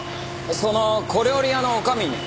その小料理屋の女将に？